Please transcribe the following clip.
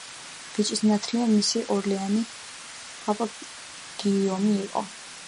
ბიჭის ნათლია მისი ორლეანელი პაპა გიიომი იყო.